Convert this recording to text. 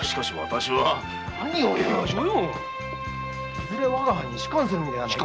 いずれわが藩に仕官する身ではないか。